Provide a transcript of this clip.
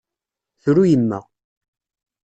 Tru yemma.